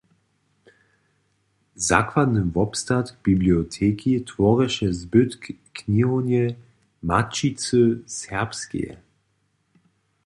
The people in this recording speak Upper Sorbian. Zakładny wobstatk biblioteki tworješe zbytk knihownje Maćicy Serbskeje.